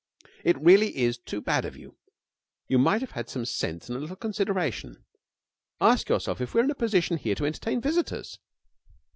'It really is too bad of you! You might have had some sense and a little consideration. Ask yourself if we are in a position here to entertain visitors.